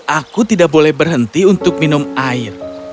aku tidak boleh berhenti untuk minum air